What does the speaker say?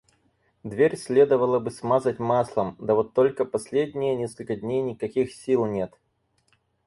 Дверь следовало бы смазать маслом, да вот только последние несколько дней никаких сил нет.